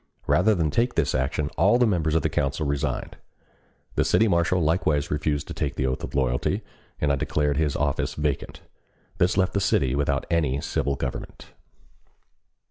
Rather than take this action all the members of the council resigned. The city marshal likewise refused to take the oath of loyalty, and I declared his office vacant. This left the city without any civil government.